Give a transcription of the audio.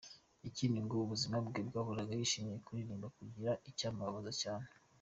Ikindi ngo mu buzima bwe yahoraga yishimye, akirinda hagira icyamubabaza cyane.